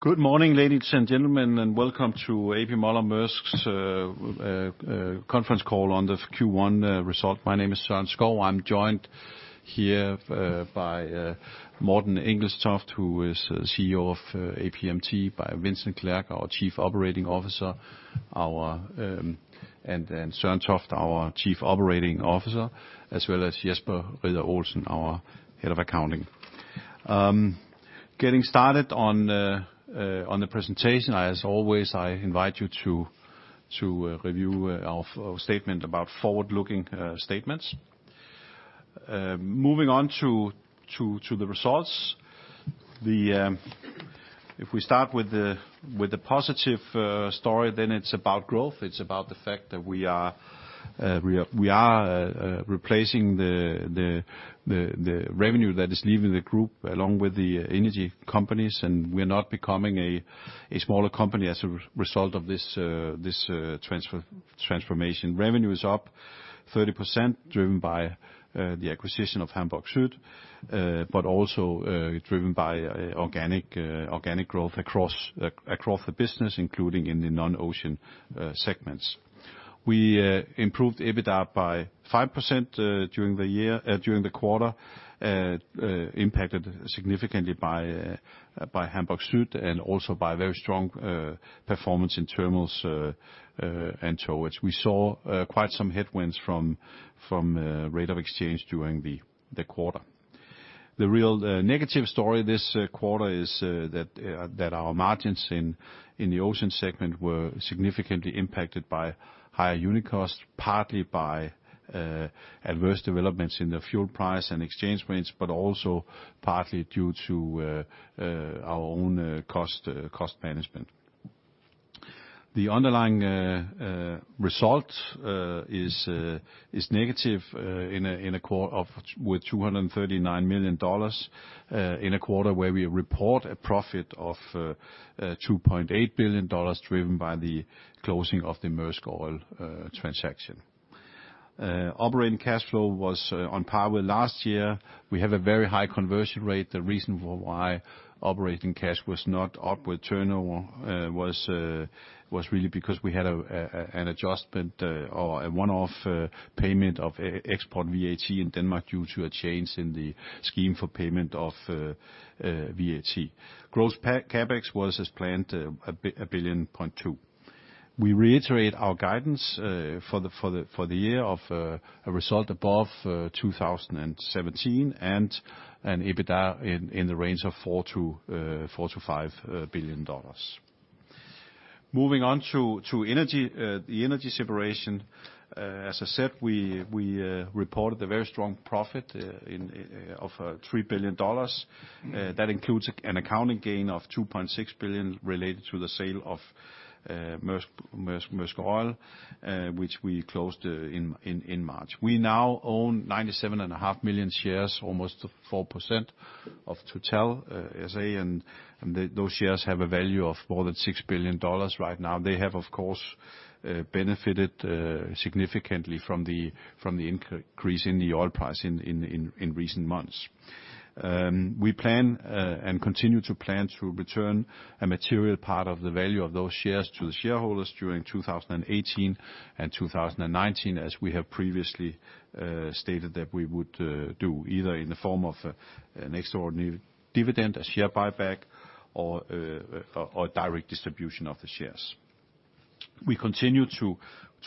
Good morning, ladies and gentlemen, and welcome to A.P. Møller - Mærsk's conference call on the Q1 result. My name is Søren Skou. I'm joined here by Morten Engelstoft, who is CEO of APMT, by Vincent Clerc, our Chief Operating Officer, and Søren Toft, our Chief Operating Officer, as well as Jesper Ridder-Olsen, our Head of Accounting. Getting started on the presentation, as always, I invite you to review our statement about forward-looking statements. Moving on to the results. If we start with the positive story, it's about growth. It's about the fact that we are replacing the revenue that is leaving the group along with the energy companies, we're not becoming a smaller company as a result of this transformation. Revenue is up 30%, driven by the acquisition of Hamburg Süd, also driven by organic growth across the business, including in the non-Ocean segments. We improved EBITDA by 5% during the quarter, impacted significantly by Hamburg Süd and also by very strong performance in Terminals and Towage. We saw quite some headwinds from rate of exchange during the quarter. The real negative story this quarter is that our margins in the Ocean segment were significantly impacted by higher unit costs, partly by adverse developments in the fuel price and exchange rates, also partly due to our own cost management. The underlying result is negative with $239 million in a quarter where we report a profit of $2.8 billion, driven by the closing of the Maersk Oil transaction. Operating cash flow was on par with last year. We have a very high conversion rate. The reason why operating cash was not up with turnover was really because we had an adjustment or a one-off payment of export VAT in Denmark due to a change in the scheme for payment of VAT. Gross CapEx was as planned, $1.2 billion. We reiterate our guidance for the year of a result above 2017 and an EBITDA in the range of $4 billion-$5 billion. Moving on to Energy, the Energy separation. As I said, we reported a very strong profit of $3 billion. That includes an accounting gain of $2.6 billion related to the sale of Maersk Oil, which we closed in March. We now own 97.5 million shares, almost 4% of Total S.A., those shares have a value of more than $6 billion right now. They have, of course, benefited significantly from the increase in the oil price in recent months. We plan and continue to plan to return a material part of the value of those shares to the shareholders during 2018 and 2019, as we have previously stated that we would do, either in the form of an extraordinary dividend, a share buyback, or a direct distribution of the shares. We continue to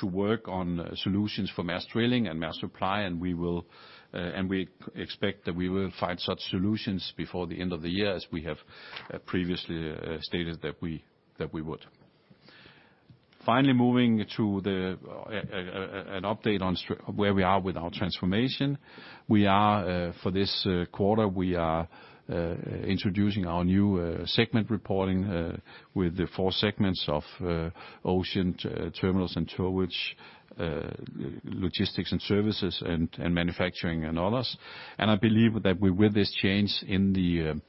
work on solutions for Maersk Drilling and Maersk Supply, we expect that we will find such solutions before the end of the year, as we have previously stated that we would. Finally, moving to an update on where we are with our transformation. For this quarter, we are introducing our new segment reporting with the four segments of Ocean, Terminals and Towage, Logistics and Services, and Manufacturing and Others. I believe that with this change in the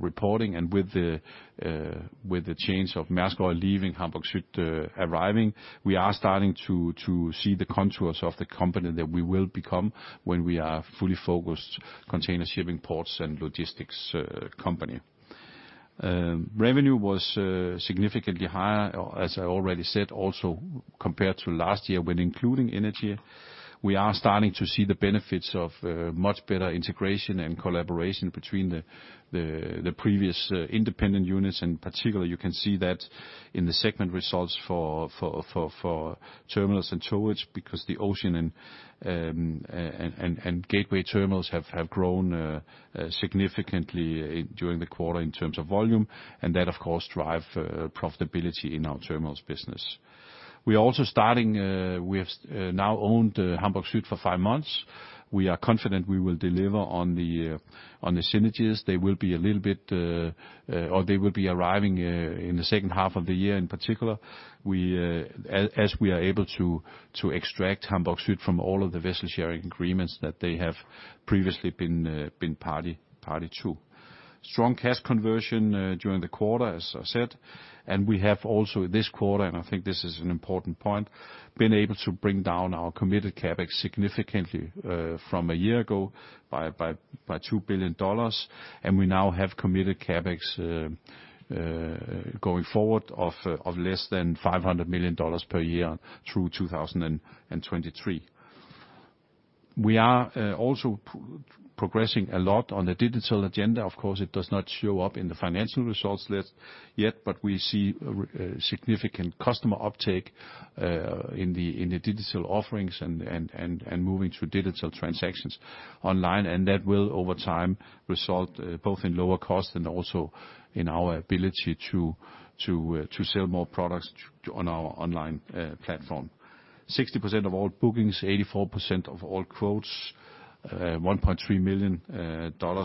reporting and with the change of Maersk Oil leaving, Hamburg Süd arriving, we are starting to see the contours of the company that we will become when we are a fully focused container shipping, ports, and logistics company. Revenue was significantly higher, as I already said, also compared to last year, when including energy. We are starting to see the benefits of much better integration and collaboration between the previous independent units. In particular, you can see that in the segment results for terminals and towage, because the ocean and gateway terminals have grown significantly during the quarter in terms of volume, and that, of course, drive profitability in our terminals business. We have now owned Hamburg Süd for five months. We are confident we will deliver on the synergies. They will be arriving in the second half of the year, in particular, as we are able to extract Hamburg Süd from all of the vessel sharing agreements that they have previously been party to. Strong cash conversion during the quarter, as I said, we have also this quarter, and I think this is an important point, been able to bring down our committed CapEx significantly from a year ago by $2 billion. We now have committed CapEx going forward of less than $500 million per year through 2023. We are also progressing a lot on the digital agenda. Of course, it does not show up in the financial results list yet, but we see a significant customer uptake in the digital offerings and moving to digital transactions online. That will, over time, result both in lower cost and also in our ability to sell more products on our online platform. 60% of all bookings, 84% of all quotes, $1.3 million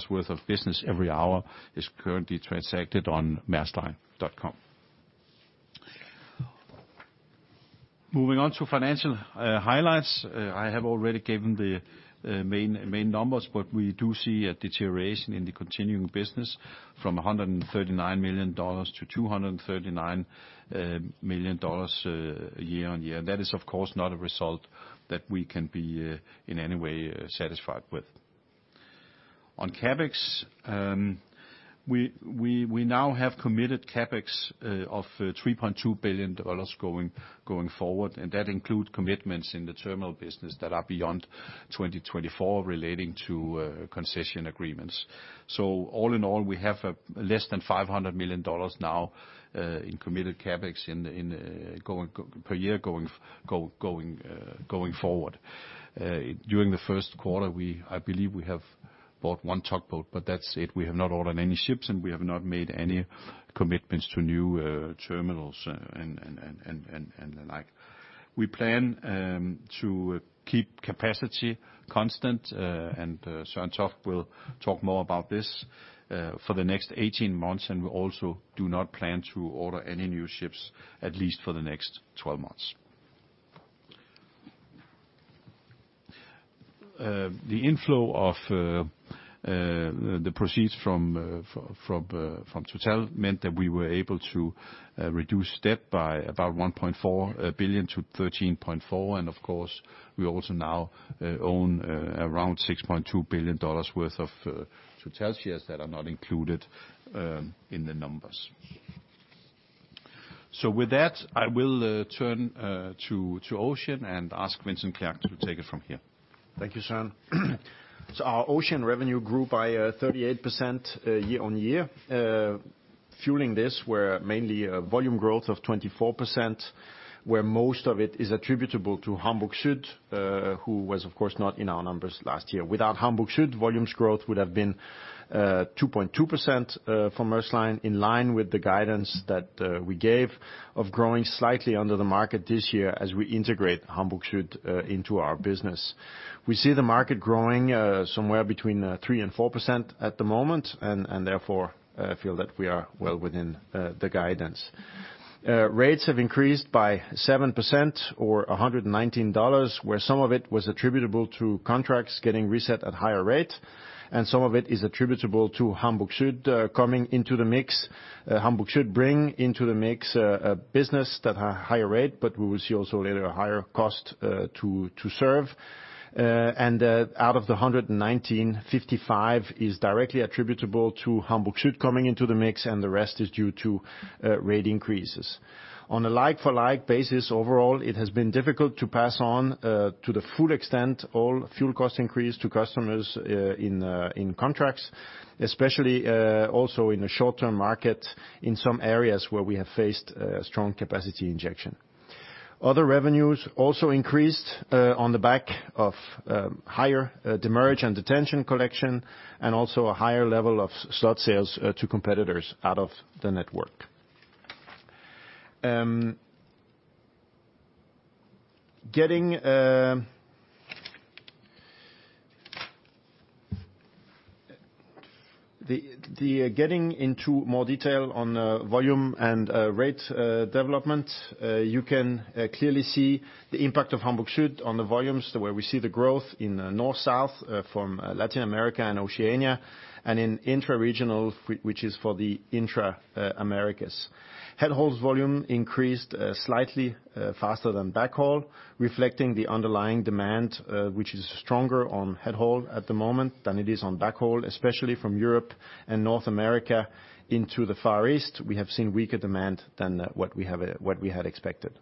worth of business every hour is currently transacted on maersk.com. Moving on to financial highlights. I have already given the main numbers, but we do see a deterioration in the continuing business from $139 million to $239 million year-on-year. That is, of course, not a result that we can be in any way satisfied with. On CapEx, we now have committed CapEx of $3.2 billion going forward, and that includes commitments in the terminal business that are beyond 2024 relating to concession agreements. All in all, we have less than $500 million now in committed CapEx per year going forward. During the first quarter, I believe we have bought one tugboat, but that's it. We have not ordered any ships, and we have not made any commitments to new terminals and the like. We plan to keep capacity constant, and Søren Toft will talk more about this, for the next 18 months, and we also do not plan to order any new ships, at least for the next 12 months. The inflow of the proceeds from Total meant that we were able to reduce debt by about $1.4 billion to $13.4. Of course, we also now own around $6.2 billion worth of Total shares that are not included in the numbers. With that, I will turn to Ocean and ask Vincent Clerc to take it from here. Thank you, Søren. Our Ocean revenue grew by 38% year-on-year. Fueling this were mainly volume growth of 24%, where most of it is attributable to Hamburg Süd, who was of course not in our numbers last year. Without Hamburg Süd, volumes growth would have been 2.2% for Maersk Line, in line with the guidance that we gave of growing slightly under the market this year as we integrate Hamburg Süd into our business. We see the market growing somewhere between 3% and 4% at the moment and therefore feel that we are well within the guidance. Rates have increased by 7% or $119, where some of it was attributable to contracts getting reset at higher rate, and some of it is attributable to Hamburg Süd coming into the mix. Hamburg Süd bring into the mix a business that has higher rate, but we will see also later a higher cost to serve. Out of the $119, $55 is directly attributable to Hamburg Süd coming into the mix, and the rest is due to rate increases. On a like-for-like basis overall, it has been difficult to pass on to the full extent all fuel cost increase to customers in contracts, especially also in the short-term market in some areas where we have faced strong capacity injection. Other revenues also increased on the back of higher demurrage and detention collection and also a higher level of slot sales to competitors out of the network. Getting into more detail on volume and rate development, you can clearly see the impact of Hamburg Süd on the volumes where we see the growth in the North-South from Latin America and Oceania and in Intra-Regional, which is for the intra-Americas. Head haul's volume increased slightly faster than back haul, reflecting the underlying demand, which is stronger on head haul at the moment than it is on back haul, especially from Europe and North America into the Far East. We have seen weaker demand than what we had expected.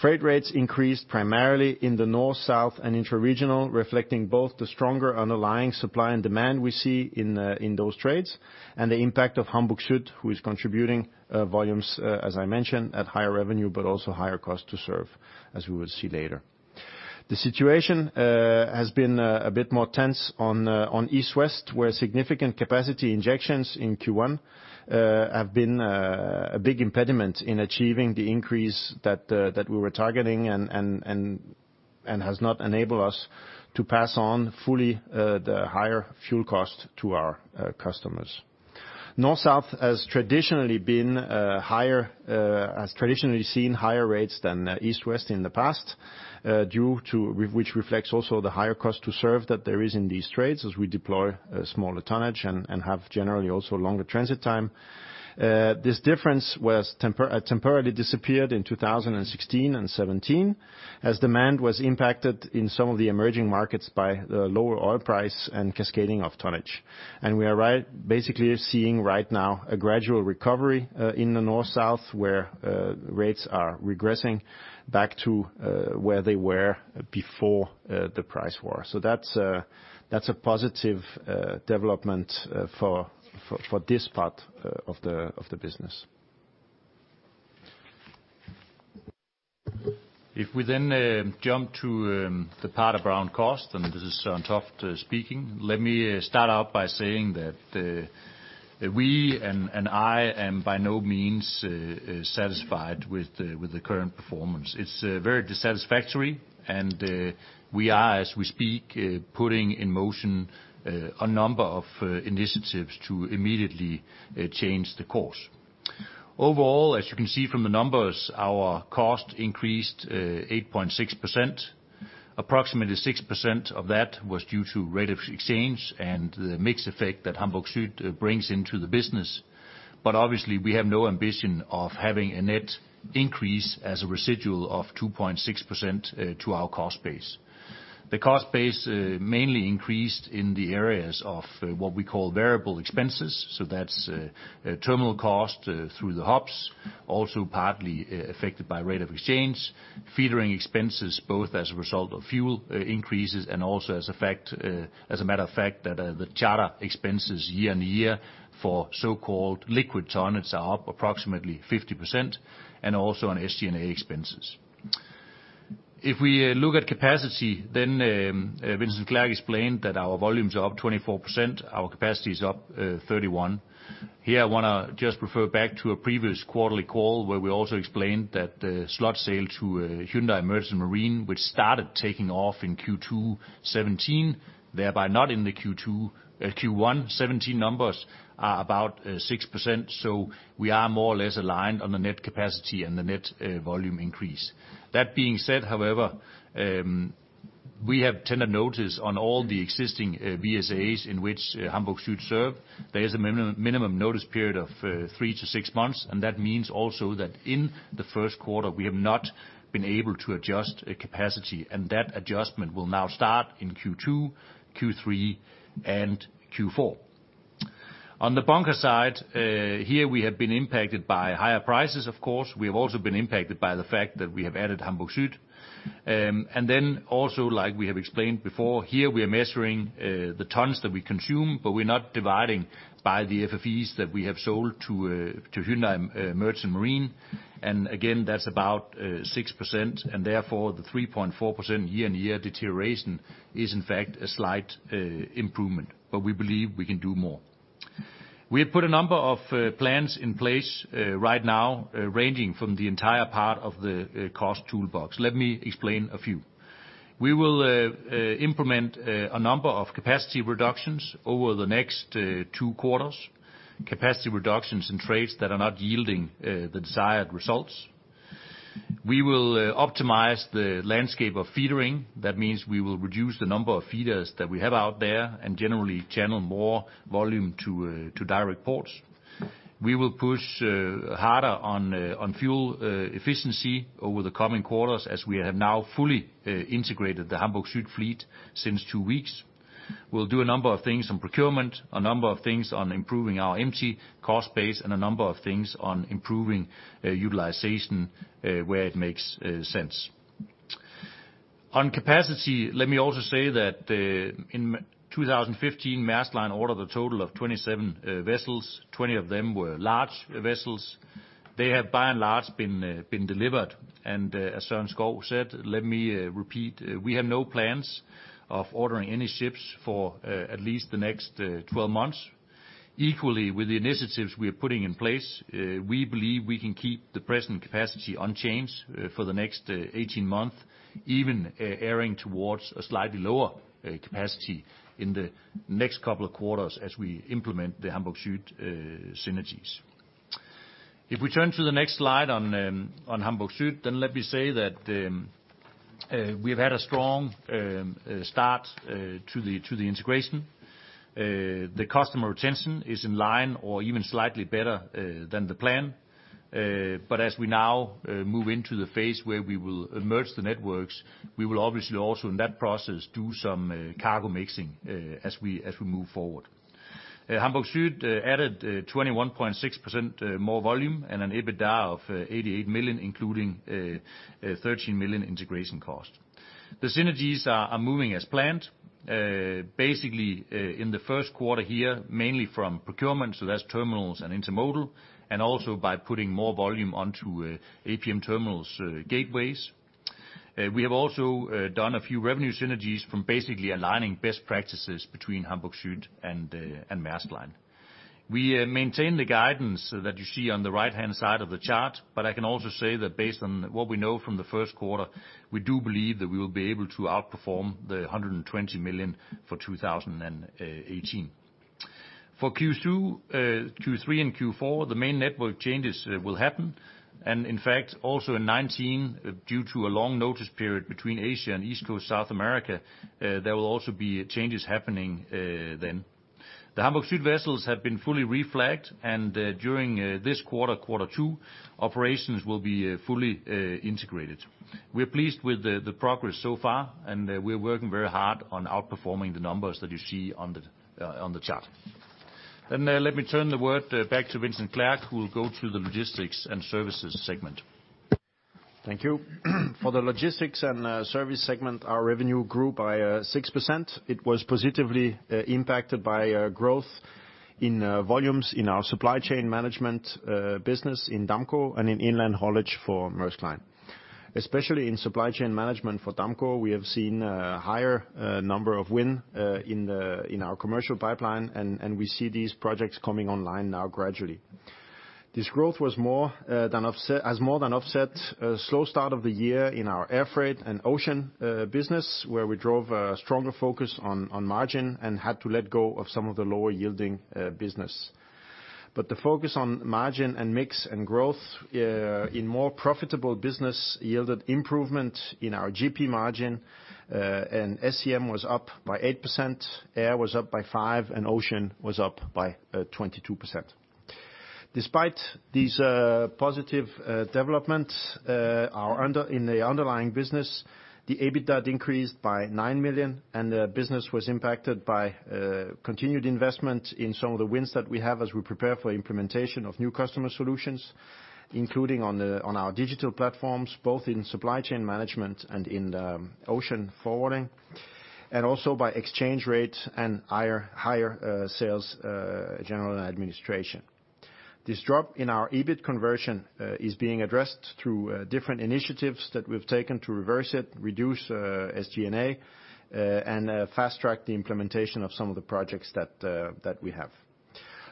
Freight rates increased primarily in the North-South and Intra-Regional, reflecting both the stronger underlying supply and demand we see in those trades and the impact of Hamburg Süd, who is contributing volumes, as I mentioned, at higher revenue but also higher cost to serve, as we will see later. The situation has been a bit more tense on East-West, where significant capacity injections in Q1 have been a big impediment in achieving the increase that we were targeting and has not enabled us to pass on fully the higher fuel cost to our customers. North-South has traditionally seen higher rates than East-West in the past, which reflects also the higher cost to serve that there is in these trades as we deploy smaller tonnage and have generally also longer transit time. This difference temporarily disappeared in 2016 and 2017 as demand was impacted in some of the emerging markets by the lower oil price and cascading of tonnage. We are basically seeing right now a gradual recovery in the North-South, where rates are regressing back to where they were before the price war. That's a positive development for this part of the business. If we then jump to the part around cost, and this is Søren Toft speaking, let me start out by saying that we and I am by no means satisfied with the current performance. It's very dissatisfactory, and we are, as we speak, putting in motion a number of initiatives to immediately change the course. Overall, as you can see from the numbers, our cost increased 8.6%. Approximately 6% of that was due to rate of exchange and the mix effect that Hamburg Süd brings into the business. Obviously, we have no ambition of having a net increase as a residual of 2.6% to our cost base. The cost base mainly increased in the areas of what we call variable expenses, so that's terminal cost through the hubs, also partly affected by rate of exchange, feedering expenses, both as a result of fuel increases and also as a matter of fact, that the charter expenses year-on-year for so-called liquid tonnages are up approximately 50%, and also on SG&A expenses. If we look at capacity, then Vincent Clerc explained that our volumes are up 24%, our capacity is up 31%. Here, I want to just refer back to a previous quarterly call where we also explained that the slot sale to Hyundai Merchant Marine, which started taking off in Q2 2017, thereby not in the Q1 2017 numbers, are about 6%. So we are more or less aligned on the net capacity and the net volume increase. That being said, however, we have tended notice on all the existing BSAs in which Hamburg Süd serve. There is a minimum notice period of three to six months, and that means also that in the first quarter, we have not been able to adjust capacity, and that adjustment will now start in Q2, Q3, and Q4. On the bunker side, here we have been impacted by higher prices, of course. We have also been impacted by the fact that we have added Hamburg Süd. Then also, like we have explained before, here we are measuring the tonnes that we consume, but we're not dividing by the FFEs that we have sold to Hyundai Merchant Marine. Again, that's about 6%, and therefore, the 3.4% year-on-year deterioration is in fact a slight improvement. But we believe we can do more. We have put a number of plans in place right now, ranging from the entire part of the cost toolbox. Let me explain a few. We will implement a number of capacity reductions over the next two quarters, capacity reductions in trades that are not yielding the desired results. We will optimize the landscape of feedering. That means we will reduce the number of feeders that we have out there and generally channel more volume to direct ports. We will push harder on fuel efficiency over the coming quarters as we have now fully integrated the Hamburg Süd fleet since two weeks. We'll do a number of things on procurement, a number of things on improving our empty cost base, and a number of things on improving utilization where it makes sense. On capacity, let me also say that in 2015, Maersk Line ordered a total of 27 vessels. 20 of them were large vessels. They have by and large been delivered, and as Søren Skou said, let me repeat, we have no plans of ordering any ships for at least the next 12 months. Equally, with the initiatives we are putting in place, we believe we can keep the present capacity unchanged for the next 18 months, even erring towards a slightly lower capacity in the next couple of quarters as we implement the Hamburg Süd synergies. If we turn to the next slide on Hamburg Süd, then let me say that we've had a strong start to the integration. The customer retention is in line or even slightly better than the plan. As we now move into the phase where we will merge the networks, we will obviously also in that process do some cargo mixing as we move forward. Hamburg Süd added 21.6% more volume and an EBITDA of $88 million, including a $13 million integration cost. The synergies are moving as planned. Basically, in the first quarter here, mainly from procurement, so that's terminals and intermodal, and also by putting more volume onto APM Terminals gateways. We have also done a few revenue synergies from basically aligning best practices between Hamburg Süd and Maersk Line. We maintain the guidance that you see on the right-hand side of the chart, but I can also say that based on what we know from the first quarter, we do believe that we will be able to outperform the $120 million for 2018. For Q2, Q3, and Q4, the main network changes will happen. In fact, also in 2019, due to a long notice period between Asia and East Coast South America, there will also be changes happening then. The Hamburg Süd vessels have been fully reflagged and during this quarter two, operations will be fully integrated. We're pleased with the progress so far, and we're working very hard on outperforming the numbers that you see on the chart. Let me turn the word back to Vincent Clerc, who will go through the logistics and services segment. Thank you. For the logistics and service segment, our revenue grew by 6%. It was positively impacted by growth in volumes in our supply chain management business in Damco and in inland haulage for Maersk Line. Especially in supply chain management for Damco, we have seen a higher number of win in our commercial pipeline, and we see these projects coming online now gradually. This growth has more than offset slow start of the year in our air freight and ocean business, where we drove a stronger focus on margin and had to let go of some of the lower-yielding business. The focus on margin and mix and growth in more profitable business yielded improvement in our GP margin, and SCM was up by 8%, air was up by 5%, and ocean was up by 22%. Despite these positive developments in the underlying business, the EBITDA increased by $9 million and the business was impacted by continued investment in some of the wins that we have as we prepare for implementation of new customer solutions, including on our digital platforms, both in supply chain management and in ocean forwarding, and also by exchange rates and higher sales general and administration. This drop in our EBIT conversion is being addressed through different initiatives that we've taken to reverse it, reduce SG&A, and fast-track the implementation of some of the projects that we have.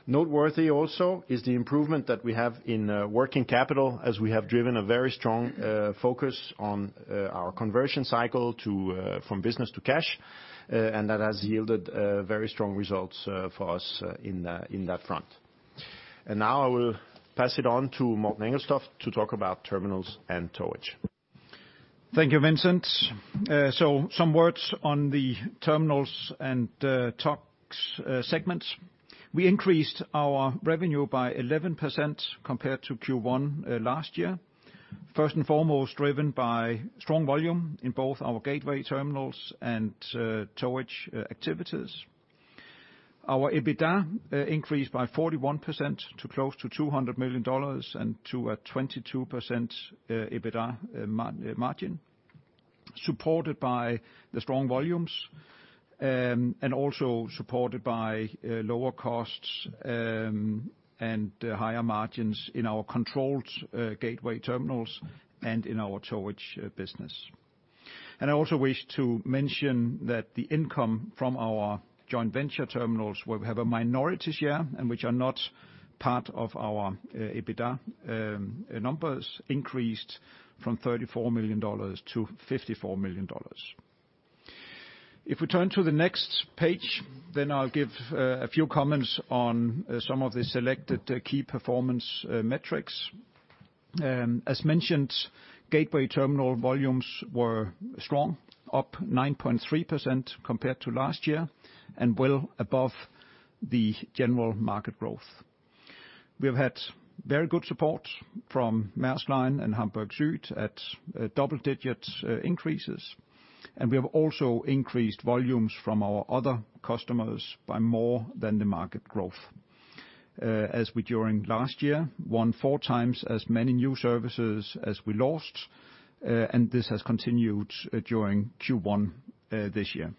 Noteworthy also is the improvement that we have in working capital, as we have driven a very strong focus on our conversion cycle from business to cash, and that has yielded very strong results for us in that front. Now I will pass it on to Morten Engelstoft to talk about terminals and towage. Thank you, Vincent. Some words on the terminals and towage segments. We increased our revenue by 11% compared to Q1 last year. First and foremost, driven by strong volume in both our gateway terminals and towage activities. Our EBITDA increased by 41% to close to $200 million and to a 22% EBITDA margin, supported by the strong volumes, and also supported by lower costs and higher margins in our controlled gateway terminals and in our towage business. I also wish to mention that the income from our joint venture terminals, where we have a minority share and which are not part of our EBITDA numbers, increased from $34 million to $54 million. If we turn to the next page, then I'll give a few comments on some of the selected key performance metrics. As mentioned, gateway terminal volumes were strong, up 9.3% compared to last year, and well above the general market growth. We have had very good support from Maersk Line and Hamburg Süd at double-digit increases, and we have also increased volumes from our other customers by more than the market growth. As we during last year, won four times as many new services as we lost, and this has continued during Q1 this year.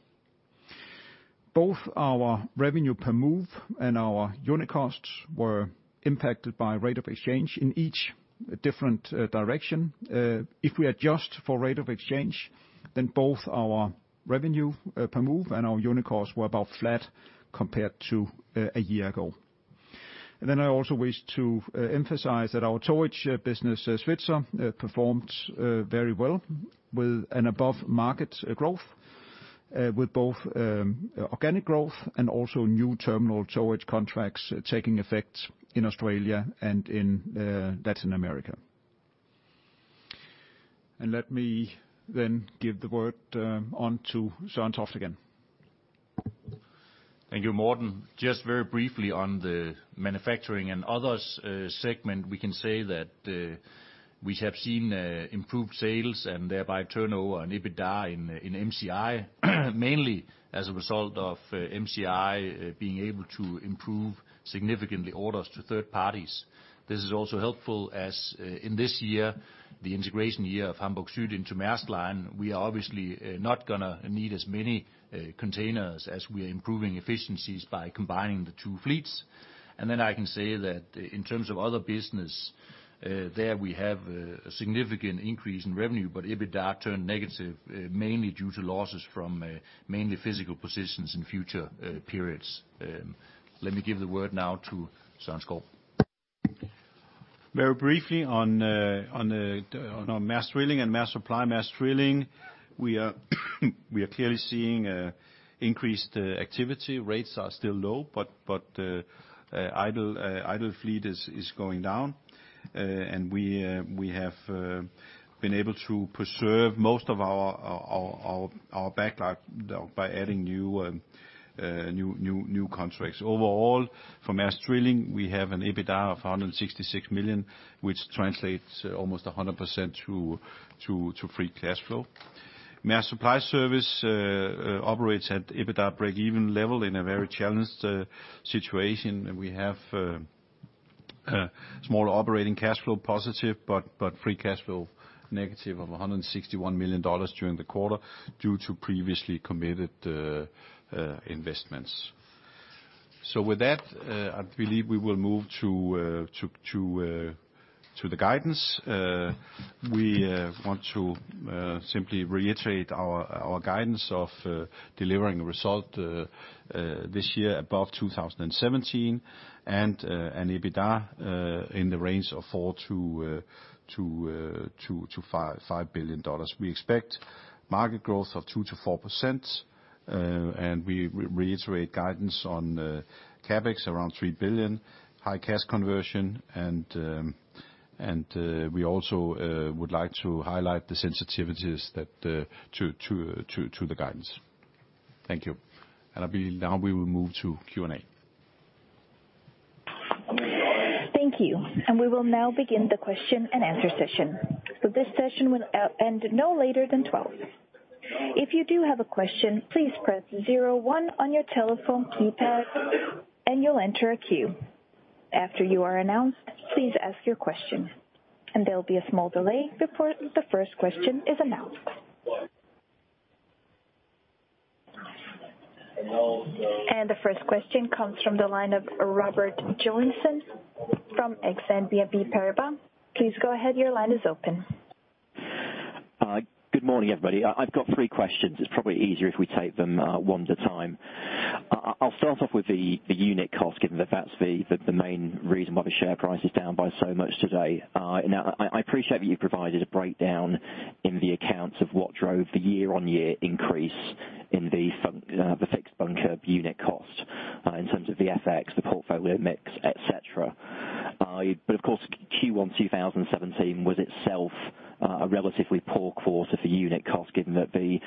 Both our revenue per move and our unit costs were impacted by rate of exchange in each different direction. If we adjust for rate of exchange, then both our revenue per move and our unit costs were about flat compared to a year ago. I also wish to emphasize that our towage business, Svitzer, performed very well with an above-market growth, with both organic growth and also new terminal towage contracts taking effect in Australia and in Latin America. Let me then give the word on to Søren Toft again. Thank you, Morten. Just very briefly on the manufacturing and others segment, we can say that we have seen improved sales and thereby turnover and EBITDA in MCI, mainly as a result of MCI being able to improve significantly orders to third parties. This is also helpful as in this year, the integration year of Hamburg Süd into Maersk Line, we are obviously not going to need as many containers as we're improving efficiencies by combining the two fleets. Then I can say that in terms of other business, there we have a significant increase in revenue, but EBITDA turned negative, mainly due to losses from mainly physical positions in future periods. Let me give the word now to Søren Skou. Very briefly on Maersk Drilling and Maersk Supply. Maersk Drilling, we are clearly seeing increased activity. Rates are still low, but the idle fleet is going down. We have been able to preserve most of our backlog by adding new contracts. Overall, for Maersk Drilling, we have an EBITDA of $166 million, which translates almost 100% to free cash flow. Maersk Supply Service operates at EBITDA breakeven level in a very challenged situation, and we have a small operating cash flow positive, but free cash flow negative of $161 million during the quarter due to previously committed investments. With that, I believe we will move to the guidance. We want to simply reiterate our guidance of delivering a result this year above 2017 and an EBITDA in the range of $4 billion-$5 billion. We expect market growth of 2%-4%, we reiterate guidance on CapEx around $3 billion, high cash conversion, we also would like to highlight the sensitivities to the guidance. Thank you. I believe now we will move to Q&A. Thank you. We will now begin the question and answer session. This session will end no later than 12:00 P.M. If you do have a question, please press zero one on your telephone keypad, and you'll enter a queue. After you are announced, please ask your question. There'll be a small delay before the first question is announced. And also- The first question comes from the line of Rob Joynson from Exane BNP Paribas. Please go ahead, your line is open. Good morning, everybody. I've got three questions. It's probably easier if we take them one at a time. I'll start off with the unit cost, given that's the main reason why the share price is down by so much today. I appreciate that you've provided a breakdown in the accounts of what drove the year-on-year increase in the fixed bunker unit cost in terms of the FX, the portfolio mix, et cetera. Of course, Q1 2017 was itself a relatively poor quarter for unit cost given that the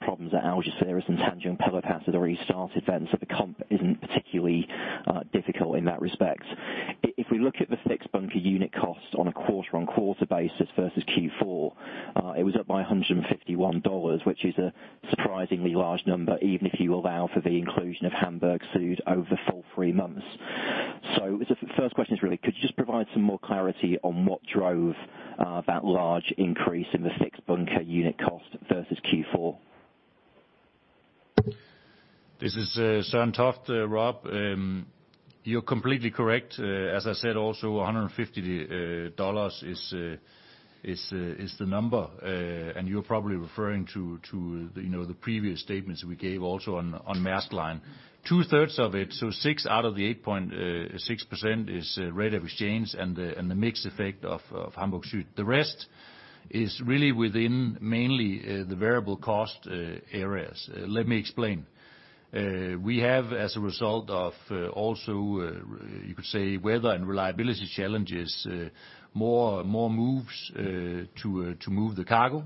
problems at Algeciras and Tanjung Pelepas had already started then, the comp isn't particularly difficult in that respect. If we look at the fixed bunker unit cost on a quarter-on-quarter basis versus Q4, it was up by $151, which is a surprisingly large number, even if you allow for the inclusion of Hamburg Süd over the full three months. The first question is really, could you just provide some more clarity on what drove that large increase in the fixed bunker unit cost versus Q4? This is Søren Toft, Rob. You're completely correct. As I said, also $150 is the number. You're probably referring to the previous statements we gave also on Maersk Line. Two-thirds of it, so six out of the 8.6% is rate of exchange and the mix effect of Hamburg Süd. The rest is really within mainly the variable cost areas. Let me explain. We have, as a result of also, you could say, weather and reliability challenges, more moves to move the cargo.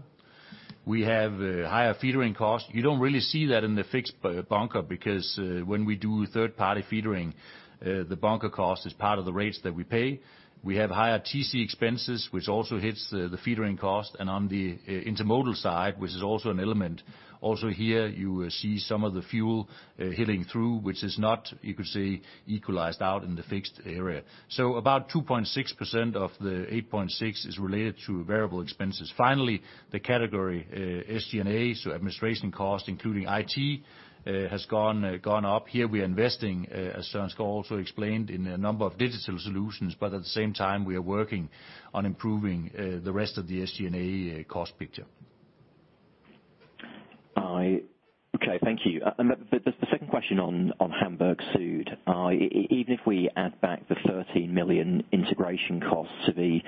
We have higher feedering costs. You don't really see that in the fixed bunker, because when we do third-party feedering, the bunker cost is part of the rates that we pay. We have higher TC expenses, which also hits the feedering cost. On the intermodal side, which is also an element, also here you see some of the fuel hitting through, which is not, you could say, equalized out in the fixed area. About 2.6% of the 8.6% is related to variable expenses. Finally, the category SG&A, so administration cost including IT, has gone up. Here we are investing, as Søren Skou also explained, in a number of digital solutions, but at the same time, we are working on improving the rest of the SG&A cost picture. Okay, thank you. The second question on Hamburg Süd. Even if we add back the $13 million integration cost to the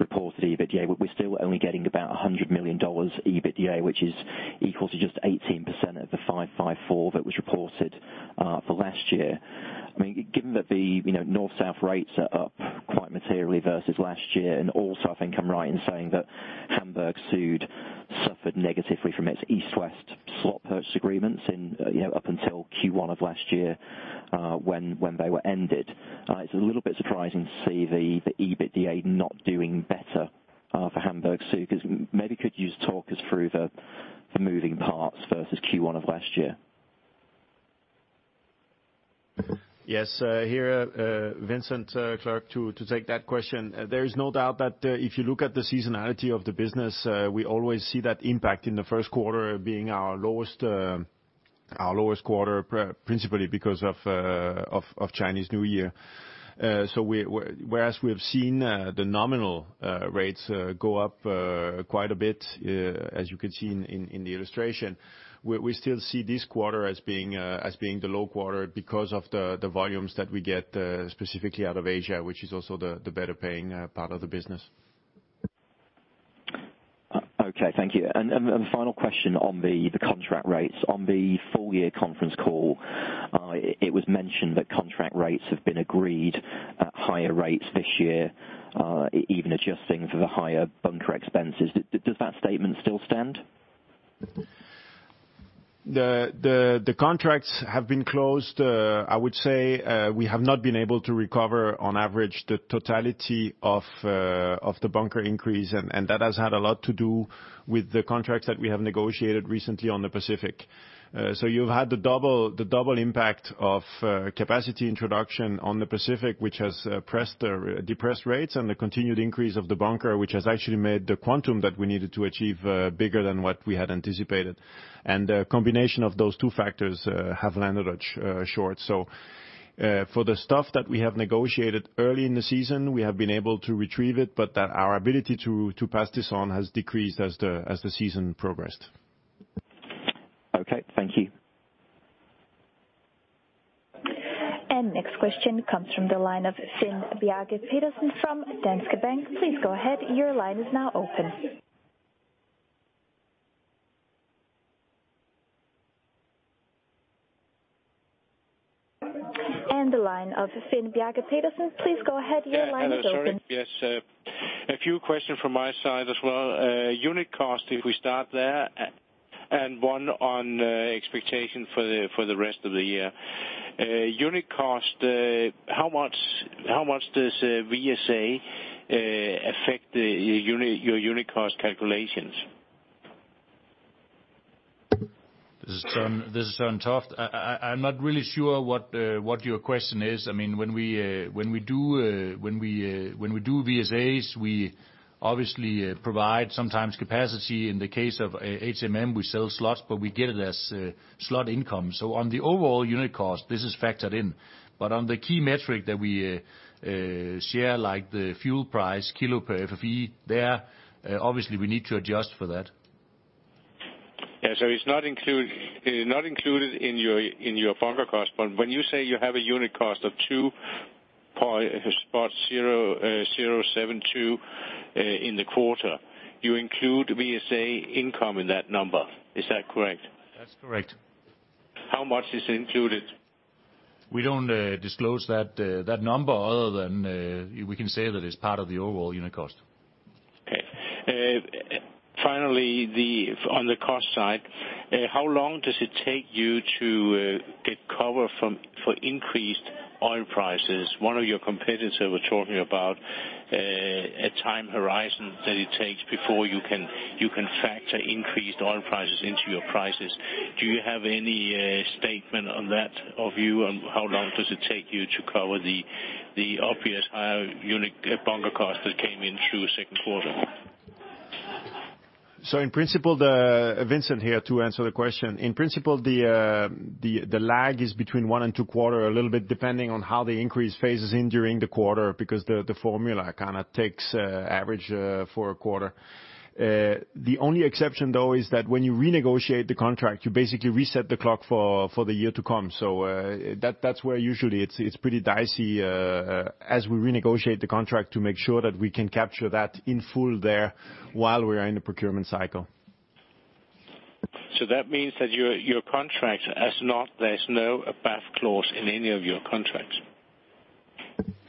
reported EBITDA, we're still only getting about $100 million EBITDA, which is equal to just 18% of the $554 that was reported for last year. Given that the North-South rates are up quite materially versus last year, and also I think I'm right in saying that Hamburg Süd suffered negatively from its East-West slot purchase agreements up until Q1 of last year, when they were ended. It's a little bit surprising to see the EBITDA not doing better for Hamburg Süd, because maybe could you talk us through the moving parts versus Q1 of last year? Yes. Here, Vincent Clerc to take that question. There is no doubt that if you look at the seasonality of the business, we always see that impact in the first quarter being our lowest quarter, principally because of Chinese New Year. Whereas we have seen the nominal rates go up quite a bit, as you can see in the illustration, we still see this quarter as being the low quarter because of the volumes that we get specifically out of Asia, which is also the better-paying part of the business. Okay, thank you. A final question on the contract rates. On the full year conference call, it was mentioned that contract rates have been agreed at higher rates this year, even adjusting for the higher bunker expenses. Does that statement still stand? The contracts have been closed. I would say we have not been able to recover, on average, the totality of the bunker increase, and that has had a lot to do with the contracts that we have negotiated recently on the Pacific. You've had the double impact of capacity introduction on the Pacific, which has depressed rates, and the continued increase of the bunker, which has actually made the quantum that we needed to achieve bigger than what we had anticipated. A combination of those two factors have landed us short. For the stuff that we have negotiated early in the season, we have been able to retrieve it, but our ability to pass this on has decreased as the season progressed. Okay, thank you. Next question comes from the line of Finn-Bjarke Petersen from Danske Bank. Please go ahead, your line is now open. The line of Finn-Bjarke Petersen, please go ahead, your line is open. Hello, sorry. Yes, a few questions from my side as well. Unit cost, if we start there, and one on expectation for the rest of the year. Unit cost, how much does VSA affect your unit cost calculations? This is Søren Toft. I'm not really sure what your question is. When we do VSAs, we obviously provide sometimes capacity. In the case of HMM, we sell slots, but we get it as slot income. On the overall unit cost, this is factored in. On the key metric that we share, like the fuel price, kilo per FEU, there, obviously, we need to adjust for that. Yeah. It's not included in your bunker cost, when you say you have a unit cost of 2.0072 in the quarter, you include VSA income in that number. Is that correct? That's correct. How much is included? We don't disclose that number other than we can say that it's part of the overall unit cost. Okay. Finally, on the cost side, how long does it take you to get cover for increased oil prices? One of your competitors was talking about a time horizon that it takes before you can factor increased oil prices into your prices. Do you have any statement on that of you? On how long does it take you to cover the obvious higher unit bunker cost that came in through second quarter? In principle, Vincent here to answer the question. In principle, the lag is between one and two quarter, a little bit, depending on how the increase phases in during the quarter, because the formula kind of takes average for a quarter. The only exception, though, is that when you renegotiate the contract, you basically reset the clock for the year to come. That's where usually it's pretty dicey, as we renegotiate the contract to make sure that we can capture that in full there, while we're in the procurement cycle. That means that your contract, as of now, there's no BAF clause in any of your contracts.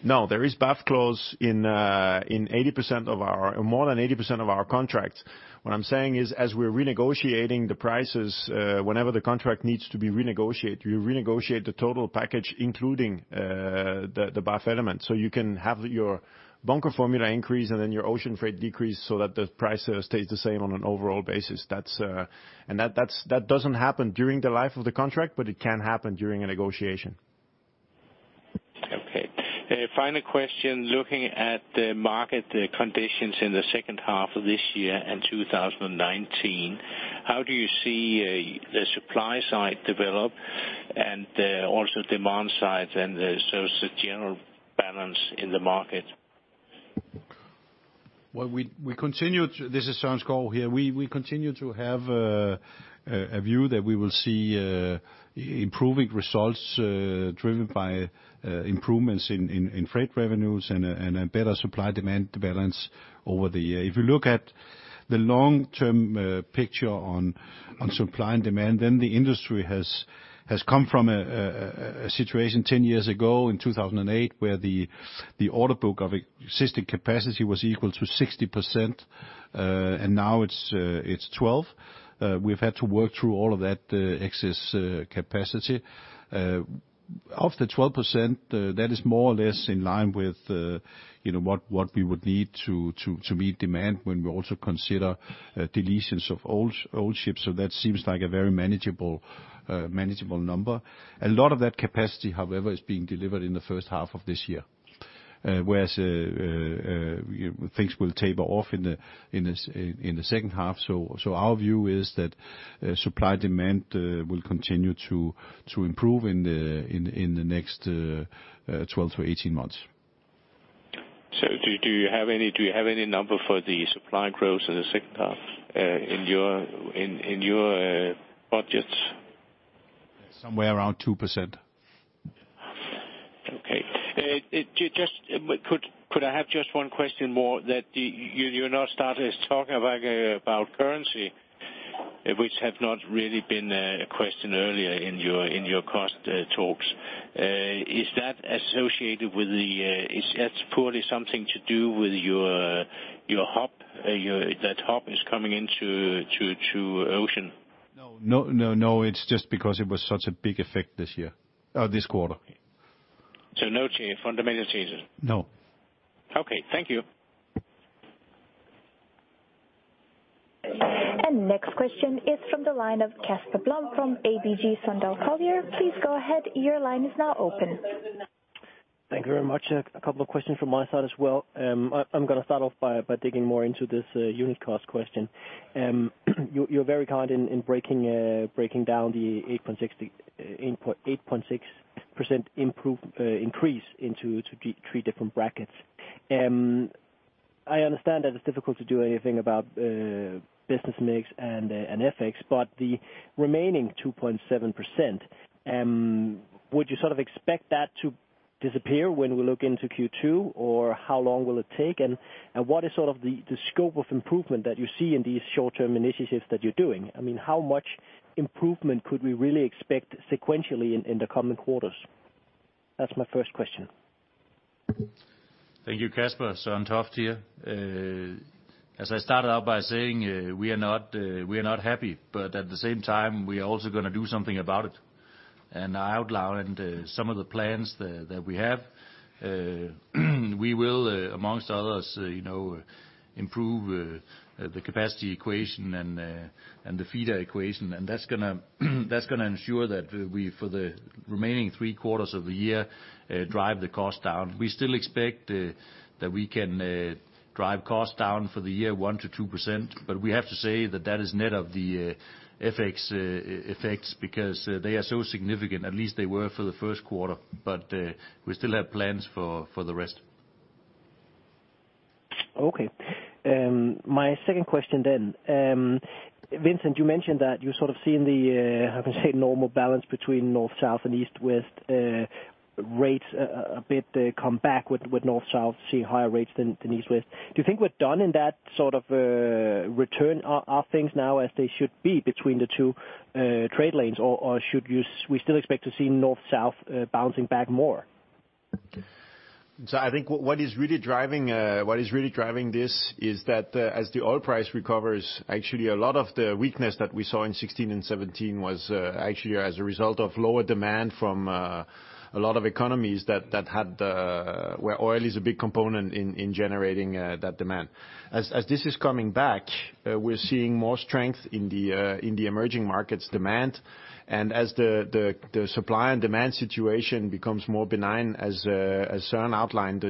No, there is BAF clause in more than 80% of our contracts. What I'm saying is, as we're renegotiating the prices, whenever the contract needs to be renegotiated, we renegotiate the total package, including the BAF element. You can have your bunker formula increase and then your ocean freight decrease so that the price stays the same on an overall basis. That doesn't happen during the life of the contract, but it can happen during a negotiation. Okay. Final question. Looking at the market conditions in the second half of this year and 2019, how do you see the supply side develop and also demand side the general balance in the market? This is Søren Skou here. We continue to have a view that we will see improving results driven by improvements in freight revenues and a better supply-demand balance over the year. If you look at the long-term picture on supply and demand, the industry has come from a situation 10 years ago in 2008, where the order book of existing capacity was equal to 60%, and now it's 12%. We've had to work through all of that excess capacity. Of the 12%, that is more or less in line with what we would need to meet demand when we also consider deletions of old ships. That seems like a very manageable number. A lot of that capacity, however, is being delivered in the first half of this year, whereas things will taper off in the second half. Our view is that supply-demand will continue to improve in the next 12 to 18 months. Do you have any number for the supply growth in the second half in your budgets? Somewhere around 2%. Okay. Could I have just one question more, that you now started talking about currency, which had not really been a question earlier in your cost talks. Is that purely something to do with your hub, that hub is coming into ocean? No, it's just because it was such a big effect this quarter. No fundamental changes? No. Okay. Thank you. Next question is from the line of Casper Blom from ABG Sundal Collier. Please go ahead. Your line is now open. Thank you very much. A couple of questions from my side as well. I'm going to start off by digging more into this unit cost question. You are very kind in breaking down the 8.6% increase into three different brackets. I understand that it is difficult to do anything about business mix and FX, but the remaining 2.7%, would you sort of expect that to disappear when we look into Q2, or how long will it take? What is sort of the scope of improvement that you see in these short-term initiatives that you are doing? I mean, how much improvement could we really expect sequentially in the coming quarters? That is my first question. Thank you, Kasper. Søren Toft here. As I started out by saying, we are not happy, but at the same time, we are also going to do something about it. I outlined some of the plans that we have. We will, amongst others, improve the capacity equation and the feeder equation. That is going to ensure that we, for the remaining three quarters of the year, drive the cost down. We still expect that we can drive costs down for the year 1%-2%, but we have to say that that is net of the FX effects because they are so significant. At least they were for the first quarter, but we still have plans for the rest. Okay. My second question. Vincent, you mentioned that you're sort of seeing the, how can I say, normal balance between North-South and East-West rates a bit come back with North-South seeing higher rates than East-West. Do you think we're done in that sort of return of things now as they should be between the two trade lanes? Should we still expect to see North-South bouncing back more? I think what is really driving this is that as the oil price recovers, actually a lot of the weakness that we saw in 2016 and 2017 was actually as a result of lower demand from a lot of economies where oil is a big component in generating that demand. As this is coming back, we're seeing more strength in the emerging markets demand, as the supply and demand situation becomes more benign, as Søren outlined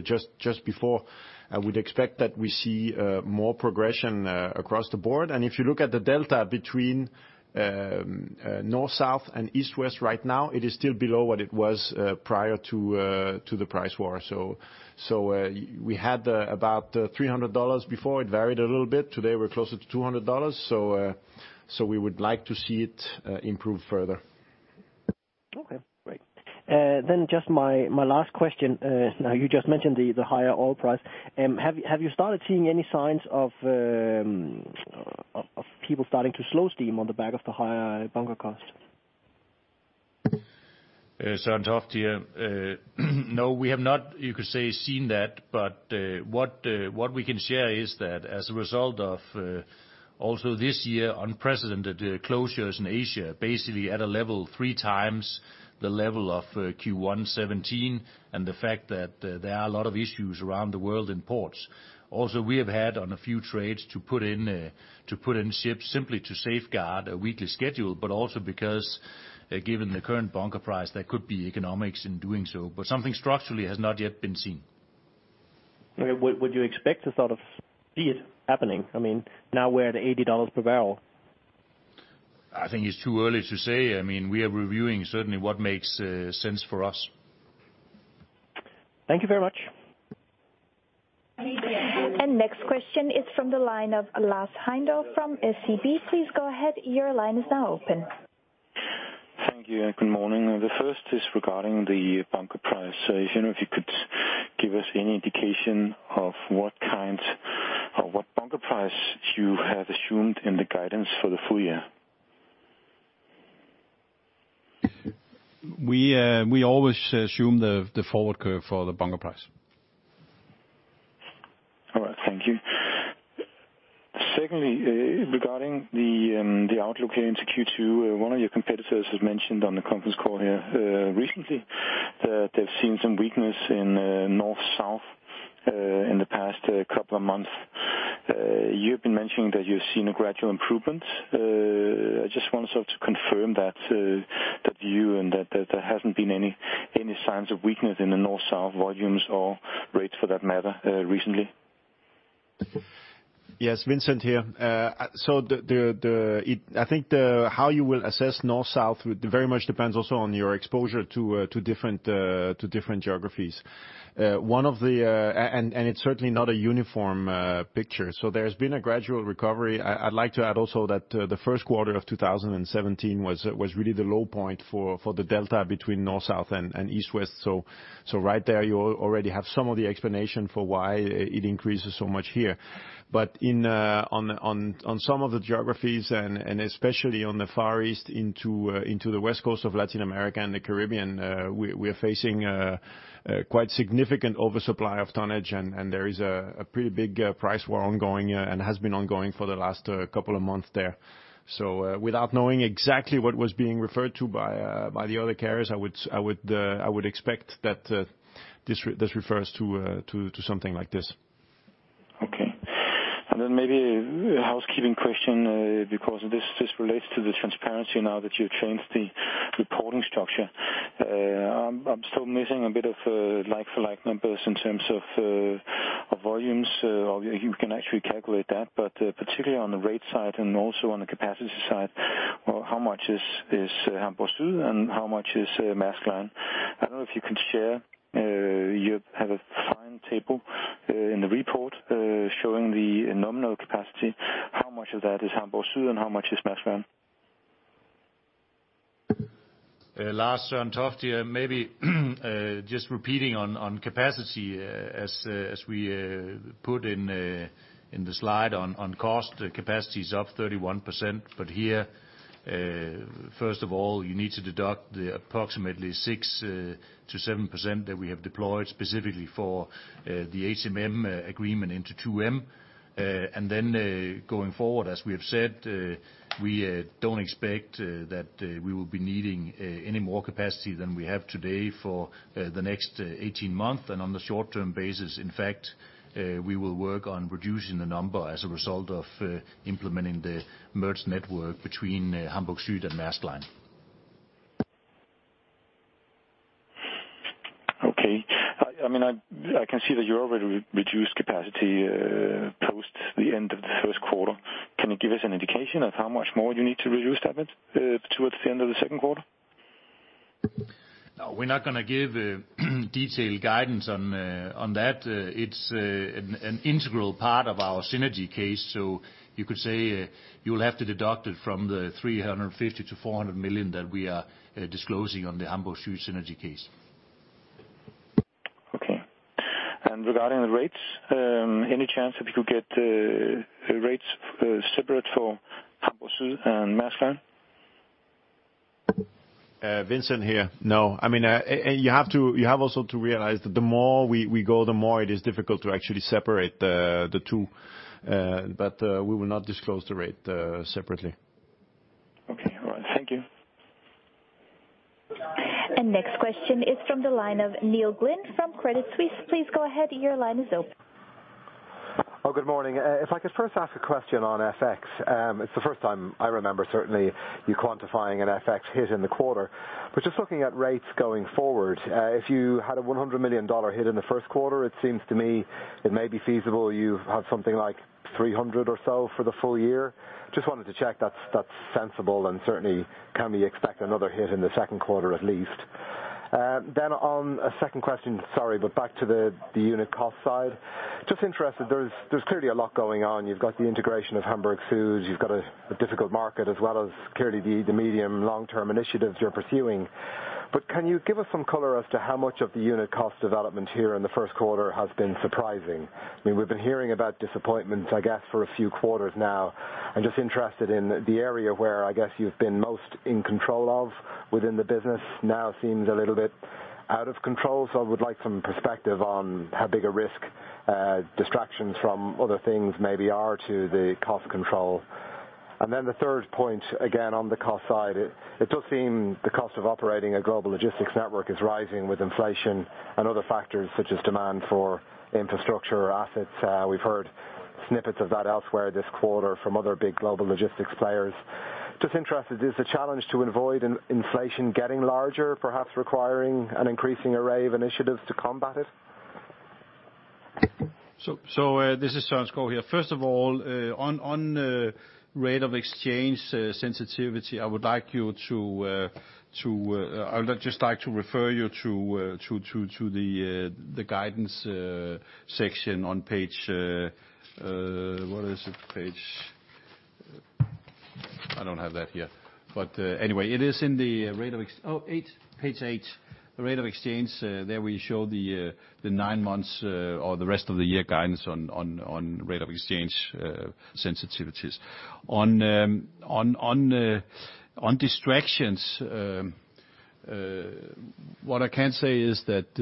just before, I would expect that we see more progression across the board. If you look at the delta between North-South and East-West right now, it is still below what it was prior to the price war. We had about $300 before. It varied a little bit. Today, we're closer to $200. We would like to see it improve further. Okay, great. Just my last question. Now you just mentioned the higher oil price. Have you started seeing any signs of people starting to slow steam on the back of the higher bunker cost? Søren Toft here. No, we have not, you could say, seen that, but what we can share is that as a result of also this year unprecedented closures in Asia, basically at a level three times the level of Q1 2017, and the fact that there are a lot of issues around the world in ports. We have had on a few trades to put in ships simply to safeguard a weekly schedule, but also because, given the current bunker price, there could be economics in doing so. Something structurally has not yet been seen. Okay. Would you expect to sort of see it happening? I mean, now we're at $80 per barrel. I think it's too early to say. I mean, we are reviewing certainly what makes sense for us. Thank you very much. Next question is from the line of Lars Heindorff from SEB. Please go ahead. Your line is now open. Thank you, and good morning. The first is regarding the bunker price. I don't know if you could give us any indication of what bunker price you have assumed in the guidance for the full year. We always assume the forward curve for the bunker price. All right, thank you. Secondly, regarding the outlook into Q2, one of your competitors has mentioned on the conference call here recently that they've seen some weakness in North-South in the past couple of months. You've been mentioning that you've seen a gradual improvement. I just want sort of to confirm that view and that there hasn't been any signs of weakness in the North-South volumes or rates for that matter recently. Yes, Vincent here. I think how you will assess North-South very much depends also on your exposure to different geographies. It's certainly not a uniform picture. There's been a gradual recovery. I'd like to add also that the first quarter of 2017 was really the low point for the delta between North-South and East-West. Right there, you already have some of the explanation for why it increases so much here. On some of the geographies, and especially on the Far East into the west coast of Latin America and the Caribbean, we are facing a quite significant oversupply of tonnage, and there is a pretty big price war ongoing and has been ongoing for the last couple of months there. Without knowing exactly what was being referred to by the other carriers, I would expect that this refers to something like this. Okay. Then maybe a housekeeping question, because this relates to the transparency now that you've changed the reporting structure. I'm still missing a bit of like-for-like numbers in terms of volumes. You can actually calculate that, but particularly on the rate side and also on the capacity side, how much is Hamburg Süd and how much is Maersk Line? I don't know if you can share. You have a fine table in the report, showing the nominal capacity. How much of that is Hamburg Süd and how much is Maersk Line? Lars and Toft, maybe just repeating on capacity, as we put in the slide on cost, capacity is up 31%. Here, first of all, you need to deduct the approximately 6%-7% that we have deployed specifically for the HMM agreement into 2M. Then going forward, as we have said, we don't expect that we will be needing any more capacity than we have today for the next 18 months. On the short-term basis, in fact, we will work on reducing the number as a result of implementing the merged network between Hamburg Süd and Maersk Line. Okay. I can see that you already reduced capacity post the end of the first quarter. Can you give us an indication of how much more you need to reduce that bit towards the end of the second quarter? No, we're not going to give detailed guidance on that. It's an integral part of our synergy case, you could say you will have to deduct it from the $350 million-$400 million that we are disclosing on the Hamburg Süd synergy case. Okay. Regarding the rates, any chance that you could get rates separate for Hamburg Süd and Maersk Line? Vincent here. No. You have also to realize that the more we go, the more it is difficult to actually separate the two. We will not disclose the rate separately. Okay. All right. Thank you. Next question is from the line of Neil Glynn from Credit Suisse. Please go ahead, your line is open. Oh, good morning. If I could first ask a question on FX. It's the first time I remember, certainly, you quantifying an FX hit in the quarter. Just looking at rates going forward, if you had a $100 million hit in the first quarter, it seems to me it may be feasible you've had something like $300 million or so for the full year. Just wanted to check that's sensible and certainly, can we expect another hit in the second quarter at least? On a second question, sorry, but back to the unit cost side. Just interested, there's clearly a lot going on. You've got the integration of Hamburg Süd. You've got a difficult market as well as clearly the medium long-term initiatives you're pursuing. Can you give us some color as to how much of the unit cost development here in the first quarter has been surprising? We've been hearing about disappointments, I guess, for a few quarters now. I'm just interested in the area where I guess you've been most in control of within the business now seems a little bit out of control. I would like some perspective on how big a risk distractions from other things maybe are to the cost control. The third point, again, on the cost side, it does seem the cost of operating a global logistics network is rising with inflation and other factors such as demand for infrastructure or assets. We've heard snippets of that elsewhere this quarter from other big global logistics players. Just interested, is the challenge to avoid inflation getting larger, perhaps requiring an increasing array of initiatives to combat it? This is Søren Skou here. First of all, on rate of exchange sensitivity, I would just like to refer you to the guidance section on page What is the page? I don't have that here. Anyway, it is in the rate of page eight. The rate of exchange, there we show the 9 months or the rest of the year guidance on rate of exchange sensitivities. On distractions, what I can say is that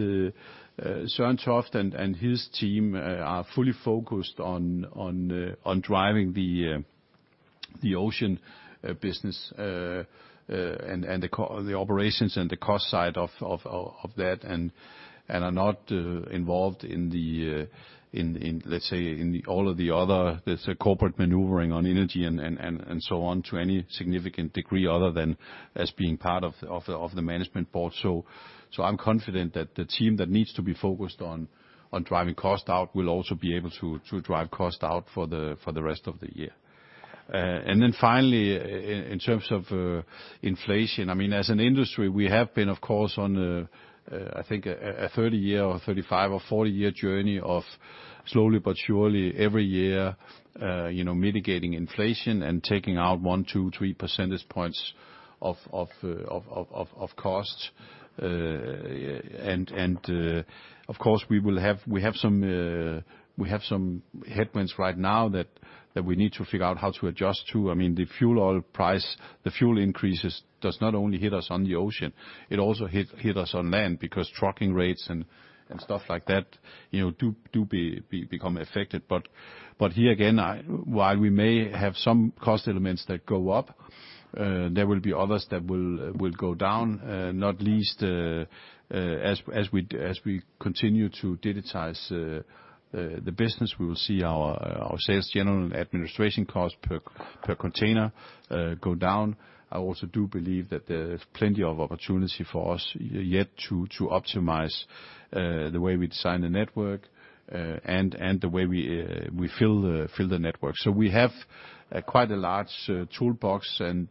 Søren Toft and his team are fully focused on driving the ocean business and the operations and the cost side of that and are not involved in, let's say, in all of the other, the corporate maneuvering on energy and so on, to any significant degree other than as being part of the management board. I'm confident that the team that needs to be focused on driving cost out will also be able to drive cost out for the rest of the year. Then finally, in terms of inflation, as an industry, we have been, of course, on, I think, a 30-year or 35- or 40-year journey of slowly but surely every year mitigating inflation and taking out one, two, three percentage points of costs. Of course, we have some headwinds right now that we need to figure out how to adjust to. The fuel oil price, the fuel increases, does not only hit us on the ocean, it also hit us on land because trucking rates and stuff like that do become affected. Here again, while we may have some cost elements that go up, there will be others that will go down, not least as we continue to digitize the business, we will see our sales, general and administration cost per container go down. I also do believe that there's plenty of opportunity for us yet to optimize the way we design the network, and the way we fill the network. We have quite a large toolbox, and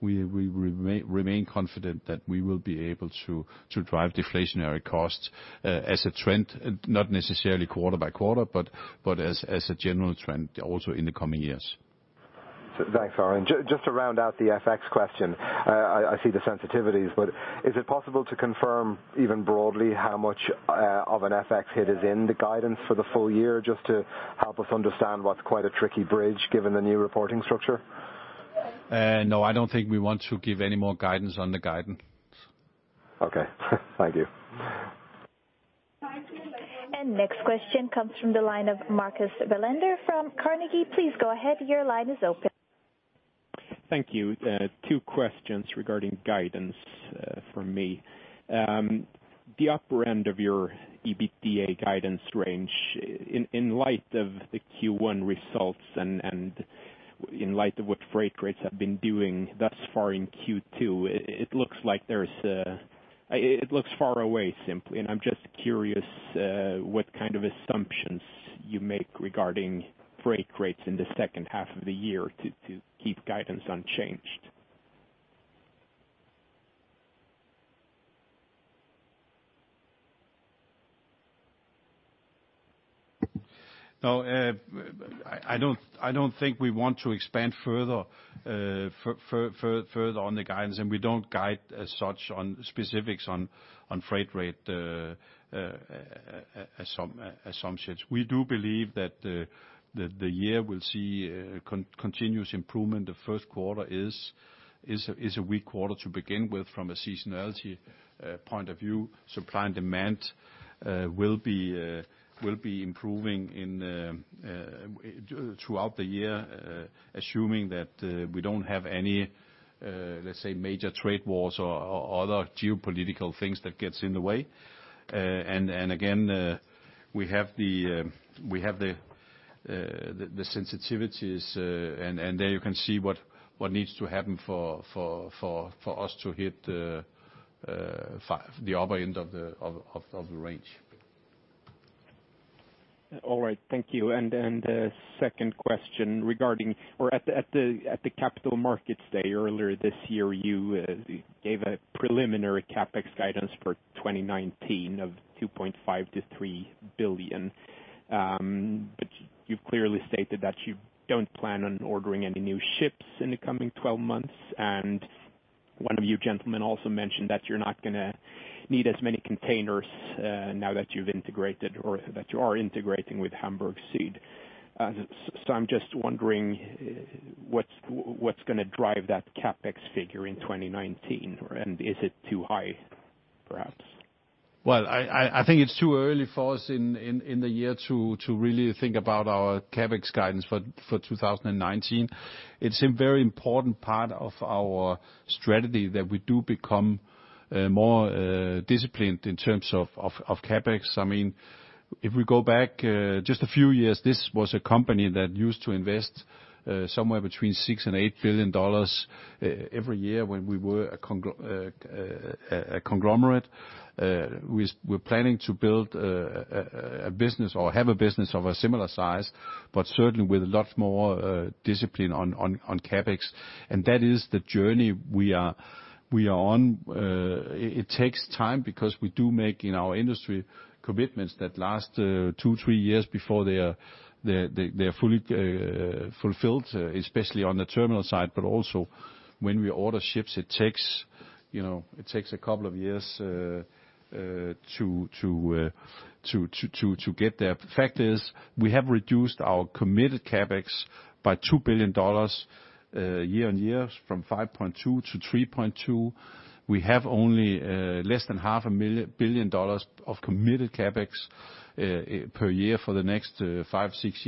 we remain confident that we will be able to drive deflationary costs as a trend, not necessarily quarter by quarter, but as a general trend also in the coming years. Thanks, Søren. Just to round out the FX question. I see the sensitivities, is it possible to confirm even broadly how much of an FX hit is in the guidance for the full year, just to help us understand what's quite a tricky bridge given the new reporting structure? No, I don't think we want to give any more guidance on the guidance. Okay. Thank you. Next question comes from the line of Marcus Bellander from Carnegie. Please go ahead, your line is open. Thank you. Two questions regarding guidance from me. The upper end of your EBITDA guidance range, in light of the Q1 results and in light of what freight rates have been doing thus far in Q2, it looks far away, simply. I'm just curious, what kind of assumptions you make regarding freight rates in the second half of the year to keep guidance unchanged. I don't think we want to expand further on the guidance, and we don't guide as such on specifics on freight rate assumptions. We do believe that the year will see a continuous improvement. The first quarter is a weak quarter to begin with from a seasonality point of view. Supply and demand will be improving throughout the year, assuming that we don't have any, let's say, major trade wars or other geopolitical things that gets in the way. Again, we have the sensitivities, and there you can see what needs to happen for us to hit the upper end of the range. All right. Thank you. Second question regarding or at the capital markets day earlier this year, you gave a preliminary CapEx guidance for 2019 of $2.5 billion-$3 billion. You've clearly stated that you don't plan on ordering any new ships in the coming 12 months. One of you gentlemen also mentioned that you're not going to need as many containers, now that you've integrated or that you are integrating with Hamburg Süd. I'm just wondering what's going to drive that CapEx figure in 2019? Is it too high, perhaps? I think it's too early for us in the year to really think about our CapEx guidance for 2019. It's a very important part of our strategy that we do become more disciplined in terms of CapEx. If we go back just a few years, this was a company that used to invest somewhere between $6 billion and $8 billion every year when we were a conglomerate. We're planning to build a business or have a business of a similar size, but certainly with a lot more discipline on CapEx. That is the journey we are on. It takes time because we do make in our industry commitments that last two, three years before they are fulfilled, especially on the terminal side, but also when we order ships, it takes a couple of years to get there. Fact is, we have reduced our committed CapEx by $2 billion year-on-year from $5.2 billion to $3.2 billion. We have only less than half a billion dollars of committed CapEx per year for the next five, six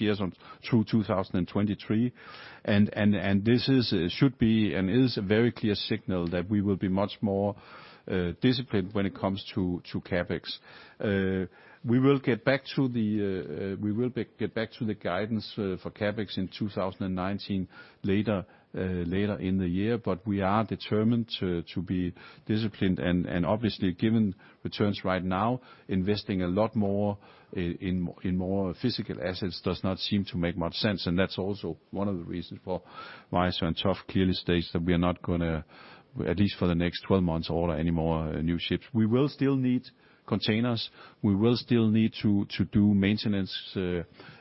years through 2023. This should be and is a very clear signal that we will be much more disciplined when it comes to CapEx. We will get back to the guidance for CapEx in 2019 later in the year, but we are determined to be disciplined and obviously given returns right now, investing a lot more in more physical assets does not seem to make much sense. That's also one of the reasons for why Søren Toft clearly states that we're not going to, at least for the next 12 months, order any more new ships. We will still need containers. We will still need to do maintenance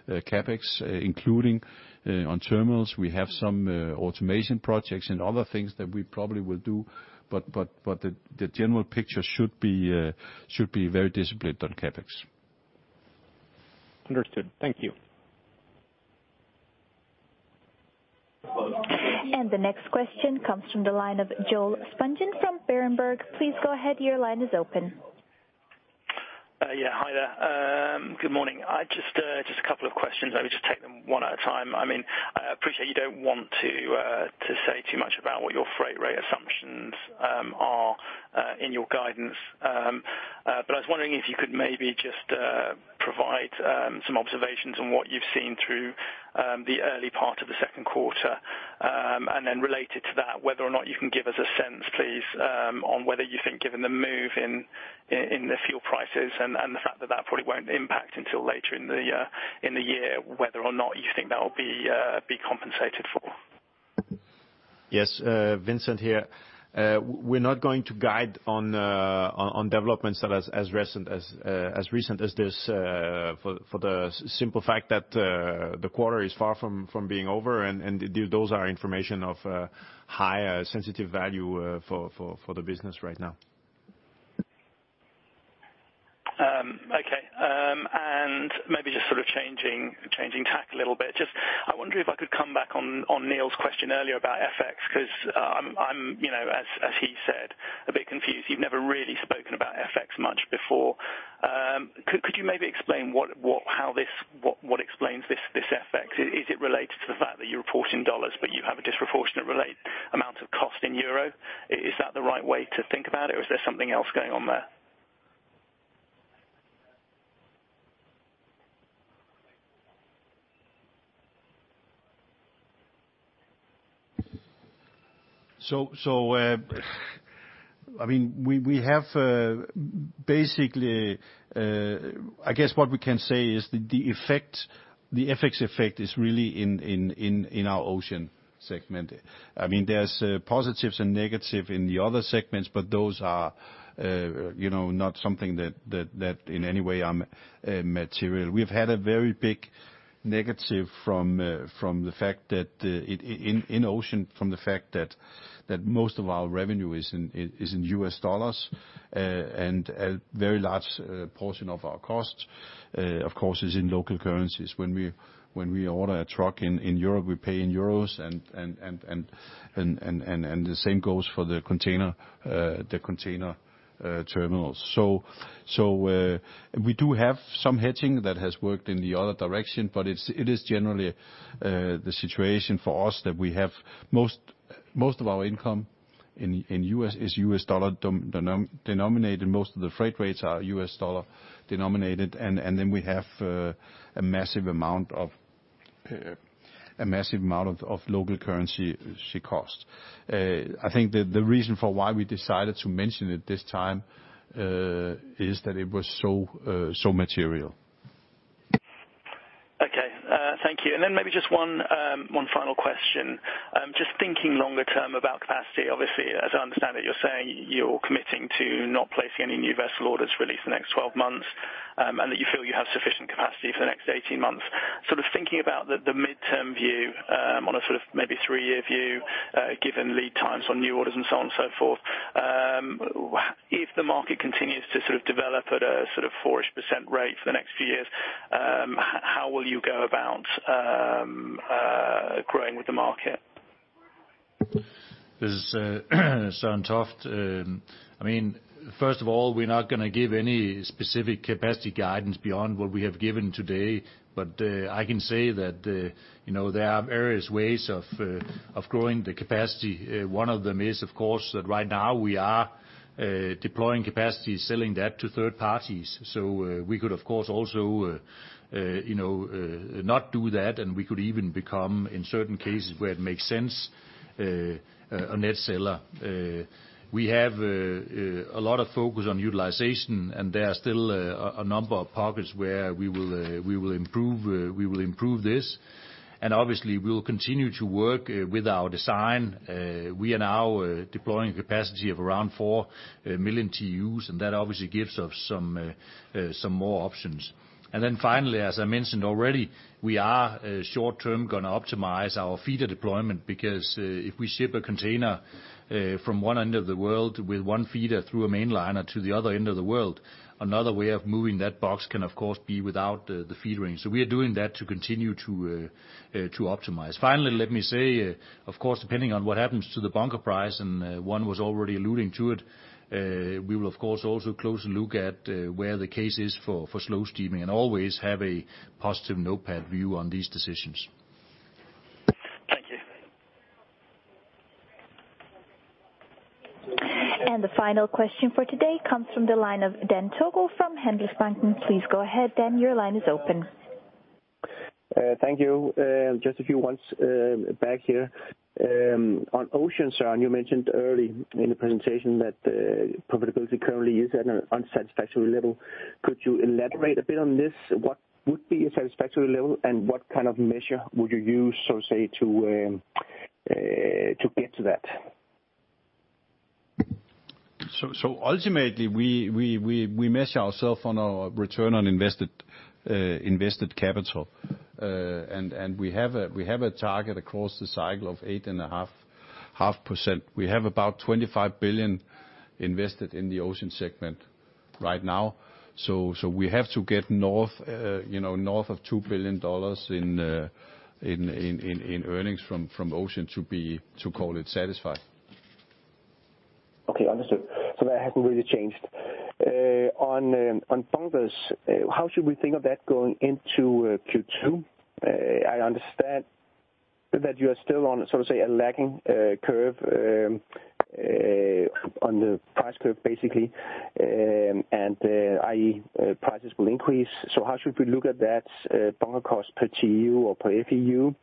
CapEx, including on terminals. We have some automation projects and other things that we probably will do, but the general picture should be very disciplined on CapEx. Understood. Thank you. The next question comes from the line of Joel Spungin from Berenberg. Please go ahead. Your line is open. Yeah, hi there. Good morning. Just a couple of questions. Maybe just take them one at a time. I appreciate you don't want to say too much about what your freight rate assumptions are in your guidance. I was wondering if you could maybe just provide some observations on what you've seen through the early part of the second quarter. Then related to that, whether or not you can give us a sense, please, on whether you think given the move in the fuel prices and the fact that that probably won't impact until later in the year, whether or not you think that will be compensated for. Yes. Vincent here. We're not going to guide on developments that as recent as this, for the simple fact that the quarter is far from being over and those are information of high sensitive value for the business right now. Okay. Maybe just sort of changing tack a little bit. Just, I wonder if I could come back on Neil's question earlier about FX, because I'm, as he said, a bit confused. You've never really spoken about FX much before. Could you maybe explain what explains this FX? Is it related to the fact that you report in dollars, but you have a disproportionate amount of cost in euro? Is that the right way to think about it, or is there something else going on there? We have basically, I guess what we can say is that the FX effect is really in our Ocean segment. There is positives and negative in the other segments, but those are not something that in any way are material. We have had a very big negative from the fact that, in Ocean, from the fact that most of our revenue is in US dollars, and a very large portion of our cost, of course, is in local currencies. When we order a truck in Europe, we pay in euros and the same goes for the container terminals. We do have some hedging that has worked in the other direction, but it is generally the situation for us that we have most of our income is US dollar denominated. Most of the freight rates are US dollar denominated, and then we have a massive amount of local currency cost. I think the reason for why we decided to mention it this time, is that it was so material. Okay. Thank you. Maybe just one final question. Just thinking longer term about capacity, obviously, as I understand it, you are saying you are committing to not placing any new vessel orders really for the next 12 months, and that you feel you have sufficient capacity for the next 18 months. Sort of thinking about the midterm view, on a sort of maybe three-year view, given lead times on new orders and so on and so forth. If the market continues to sort of develop at a sort of 4% rate for the next few years, how will you go about growing with the market? This is Søren Toft. First of all, we are not going to give any specific capacity guidance beyond what we have given today. I can say that there are various ways of growing the capacity. One of them is, of course, that right now we are deploying capacity, selling that to third parties. We could, of course, also not do that, and we could even become, in certain cases, where it makes sense, a net seller. We have a lot of focus on utilization, and there are still a number of pockets where we will improve this. Obviously, we will continue to work with our design. We are now deploying capacity of around 4 million TEUs, and that obviously gives us some more options. Finally, as I mentioned already, we are short-term going to optimize our feeder deployment because, if we ship a container from one end of the world with one feeder through a mainliner to the other end of the world, another way of moving that box can, of course, be without the feedering. We are doing that to continue to optimize. Finally, let me say, of course, depending on what happens to the bunker price and one was already alluding to it, we will of course also closely look at where the case is for slow steaming and always have a positive notepad view on these decisions. Thank you. The final question for today comes from the line of Dan Togo from Handelsbanken. Please go ahead, Dan, your line is open. Thank you. Just a few ones back here. On Ocean, Søren, you mentioned early in the presentation that profitability currently is at an unsatisfactory level. Could you elaborate a bit on this? What would be a satisfactory level, and what kind of measure would you use, so say, to get to that? Ultimately, we measure ourself on our return on invested capital. We have a target across the cycle of 8.5 Half%. We have about $25 billion invested in the Ocean segment right now. We have to get north of $2 billion in earnings from Ocean to call it satisfied. Okay, understood. That hasn't really changed. On bunkers, how should we think of that going into Q2? I understand that you are still on a lagging curve on the price curve, basically, i.e., prices will increase. How should we look at that bunker cost per TEU or per FEU?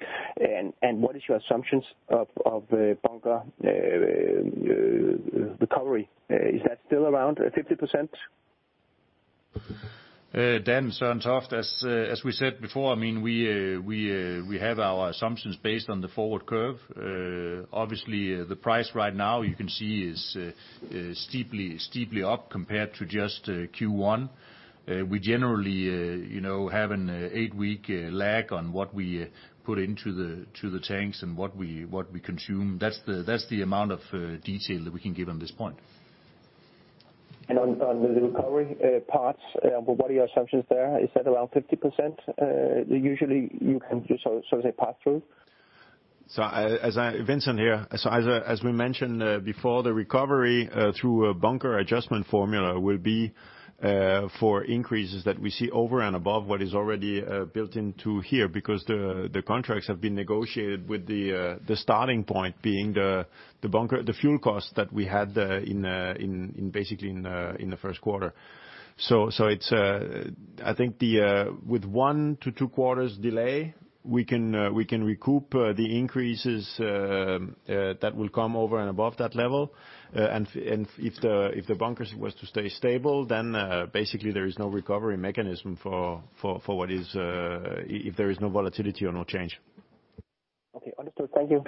What is your assumptions of bunker recovery? Is that still around 50%? Dan, Søren Toft. As we said before, we have our assumptions based on the forward curve. Obviously, the price right now you can see is steeply up compared to just Q1. We generally have an eight-week lag on what we put into the tanks and what we consume. That's the amount of detail that we can give on this point. On the recovery parts, what are your assumptions there? Is that around 50%? Usually you can do pass through. Vincent here. As we mentioned before, the recovery through a bunker adjustment formula will be for increases that we see over and above what is already built into here, because the contracts have been negotiated with the starting point being the bunker, the fuel cost that we had basically in the first quarter. I think with one to two quarters delay, we can recoup the increases that will come over and above that level. If the bunkers was to stay stable, then basically there is no recovery mechanism if there is no volatility or no change. Okay, understood. Thank you.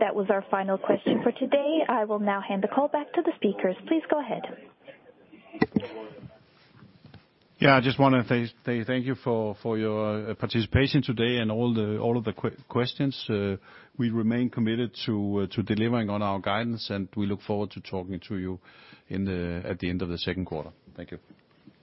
That was our final question for today. I will now hand the call back to the speakers. Please go ahead. I just want to thank you for your participation today and all of the questions. We remain committed to delivering on our guidance, and we look forward to talking to you at the end of the second quarter. Thank you.